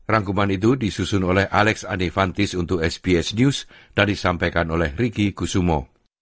rangkuman itu disusun oleh alex adefantis untuk sbs news dan disampaikan oleh riki kusumo